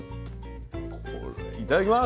いただきます。